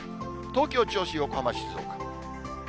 東京、銚子、横浜、静岡。